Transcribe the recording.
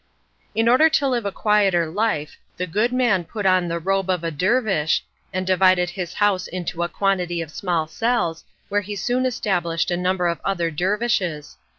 In order to live a quieter life, the good man put on the robe of a dervish, and divided his house into a quantity of small cells, where he soon established a number of other dervishes.